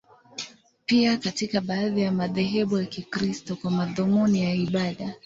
Pia katika baadhi ya madhehebu ya Kikristo, kwa madhumuni ya ibada.